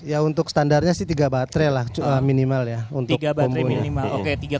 ya untuk standarnya sih tiga baterai lah minimal ya untuk bumbunya